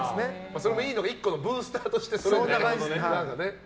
それもいいのか１個のブースターとして。